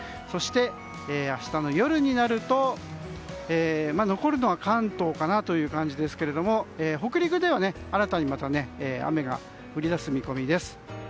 そして、明日の夜になると残るのは関東かなという感じですが北陸では新たに雨が降り出す見込みです。